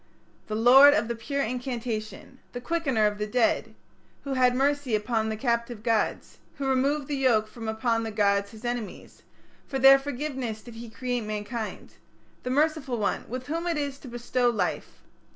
"The Lord of the Pure Incantation", "the Quickener of the Dead ", "Who had mercy upon the captive gods", "Who removed the yoke from upon the gods his enemies". "For their forgiveness did he create mankind", "The Merciful One, with whom it is to bestow life!"